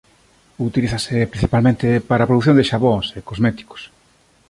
Utilízase principalmente para a produción de xabóns e cosméticos.